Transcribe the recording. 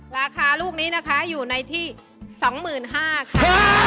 ราคาลูกนี้นะคะอยู่ในที่๒๕๐๐บาทค่ะ